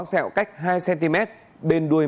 sẹo cách hai cm bên đuôi